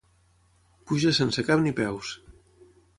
Puja sense cap ni peus.